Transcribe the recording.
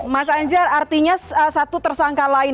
mas anjar artinya satu tersangka lain